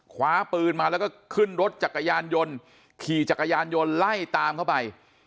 คว้าปืนมาแล้วก็ขึ้นรถจักรยานยนต์ขี่จักรยานยนต์ไล่ตามเข้าไป